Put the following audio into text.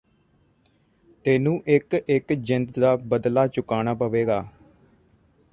ਤੈਨੂੰ ਇੱਕ ਇੱਕ ਜਿੰਦ ਦਾ ਬਦਲਾ ਚੁਕਾਣਾਂ ਪਵੇਗਾ